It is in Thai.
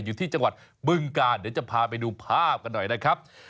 อยู่ที่จังหวัดบึงกาลเดี๋ยวจะพาไปดูภาพกันหน่อยนะครับ